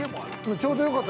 ◆ちょうどよかった。